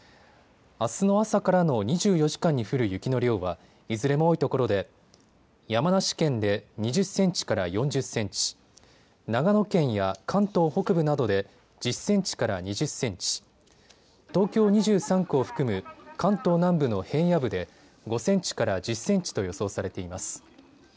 あすの朝からの２４時間に降る雪の量はいずれも多いところで山梨県で２０センチから４０センチ、長野県や関東北部などで１０センチから２０センチ、東京２３区を含む関東南部の平野部で５センチから１０センチと予想されています。